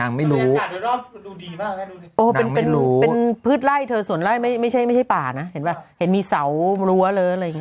เดินให้ถ่ายรูปเลยแบบถ่ายไม่แล้วไม่รู้ไว้ไม่ใช่ป่านะเห็นมีเสาร์รั้วเลย